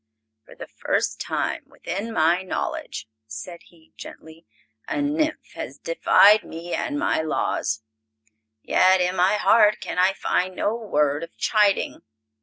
"For the first time within my knowledge," said he, gently, "a nymph has defied me and my laws; yet in my heart can I find no word of chiding.